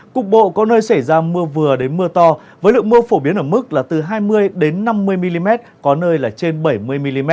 cục bộ có nơi xảy ra mưa vừa đến mưa to với lượng mưa phổ biến ở mức là từ hai mươi năm mươi mm có nơi là trên bảy mươi mm